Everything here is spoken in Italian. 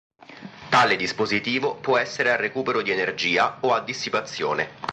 Tale dispositivo può essere a recupero di energia o a dissipazione.